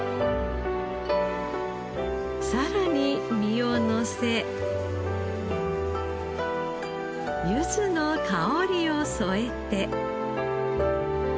さらに身をのせゆずの香りを添えて。